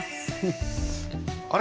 あれ？